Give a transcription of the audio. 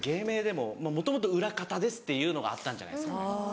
もともと裏方ですっていうのがあったんじゃないですかね。